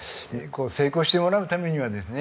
成功してもらうためにはですね